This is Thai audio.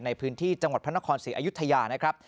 ในพื้นที่จังหวัดพระนครศรีอยุธยานะครับ